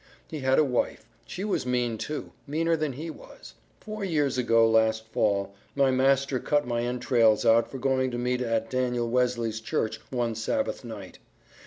He had a wife; she was mean, too, meaner than he was. Four years ago last Fall my master cut my entrails out for going to meeting at Daniel Wesley's church one Sabbath night.